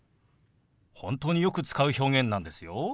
本当によく使う表現なんですよ。